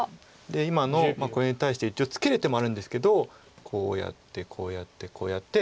今のこれに対して一応ツケる手もあるんですけどこうやってこうやってこうやって。